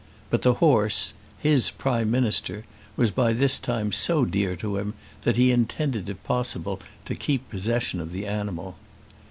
But the horse, his Prime Minister, was by this time so dear to him that he intended if possible to keep possession of the animal.